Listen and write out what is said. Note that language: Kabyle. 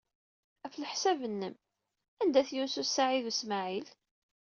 Ɣef leḥsab-nnem, anda-t Yunes u Saɛid u Smaɛil?